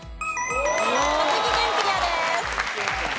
栃木県クリアです。